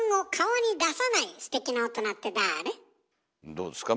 どうですか？